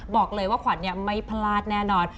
บอกเลยว่าขวัญไม่พลาดแน่นอน